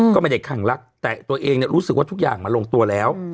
ก็ไม่ได้คั่งรักแต่ตัวเองรู้สึกว่าทุกอย่างมันลงตัวแล้ว